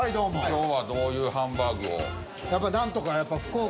今日はどういうハンバーグを？